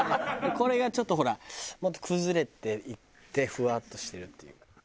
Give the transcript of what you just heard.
これがちょっとほらもっと崩れていってふわっとしてるっていうか。